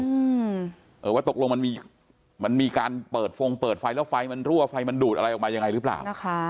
คือตกลงมันมีการเริ่มมีการเปิดโฟงฟังแล็วไฟมันดูดออกมาอย่างไรหรือเปล่า